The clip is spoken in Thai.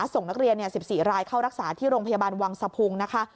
ส่งนักเรียน๑๔รายเข้ารักษาที่โรงพยาบาลวังสะพุงนะคะ